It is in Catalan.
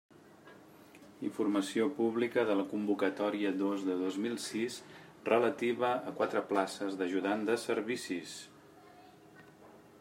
Informació publica de la Convocatòria dos de dos mil sis, relativa a quatre places d'ajudant de servicis.